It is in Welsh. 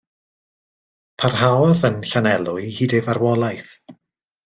Parhaodd yn Llanelwy hyd ei farwolaeth.